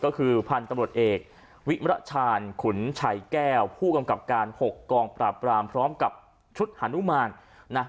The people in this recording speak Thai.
ก็คือพันธุ์ตำรวจเอกวิมรชาญขุนชัยแก้วผู้กำกับการ๖กองปราบปรามพร้อมกับชุดฮานุมานนะ